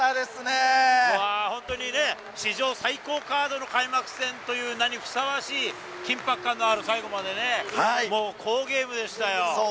本当に史上最高カードの開幕戦という名にふさわしい緊迫感のある、最後までね、好ゲームでしたよ。